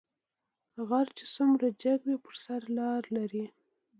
غر چې څومره جګ وي په سر لار لري